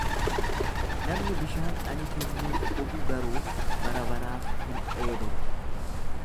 Namni bishaan ani kennuuf dhugu garuu barabaraaf hin dheebotu.